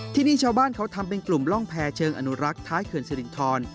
ที่นี่ชาวบ้านเขาทำเป็นกลุ่มร่องแพรเชิงอนุรักษ์ท้ายเขื่อนสิรินทร